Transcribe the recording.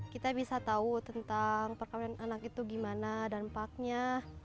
kita bisa tahu tentang perkawinan anak itu gimana dampaknya